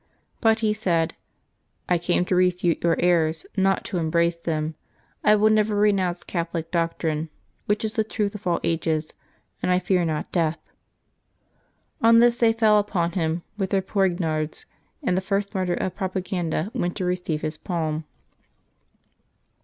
But he said, " I came to refute your errors, not to embrace them; I will never renounce Catholic doc trine, which is the truth of all ages, and I fear not death." On this they fell upon him with their poignards, and the first martyr of Propaganda went to receive his palm.